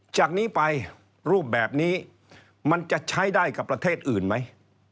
จากนี้ไปรูปแบบนี้มันจะใช้ได้กับประเทศอื่นไหม